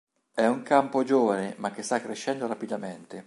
È un campo giovane ma che sta crescendo rapidamente.